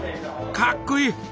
かっこいい！